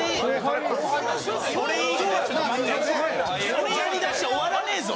それやりだしたら終わらねえぞ！